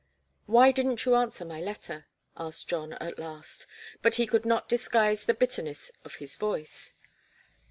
"Why didn't you answer my letter?" asked John, at last, but he could not disguise the bitterness of his voice.